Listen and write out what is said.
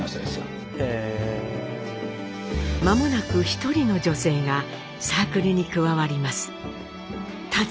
間もなく一人の女性がサークルに加わります。